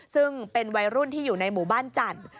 ซึ่งเป็นวัยรุ่นที่อยู่ในหมู่บ้านจันทร์